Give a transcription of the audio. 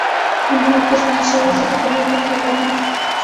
ہم بہت کچھ غیر شعوری سطح پر بھی کر رہے ہوتے ہیں۔